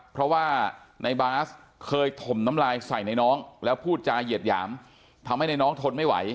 เพราะว่าในบาสเคยถมน้ำลายใส่ในน้องแล้วพูดจาเหยียดหยามทำให้ในน้องทนไม่ไหว